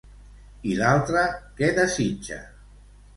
I l'altre, què desitja?